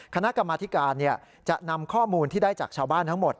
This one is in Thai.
คณะกรรมธิการจะนำข้อมูลที่ได้จากชาวบ้านทั้งหมด